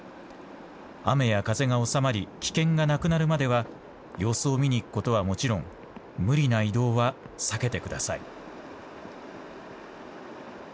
雨や風が収まり危険がなくなるまでは様子を見に行くことはもちろん、無理な移動は避けてください。